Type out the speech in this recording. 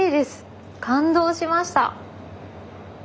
感動しました。